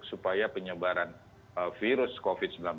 supaya penyebaran virus covid sembilan belas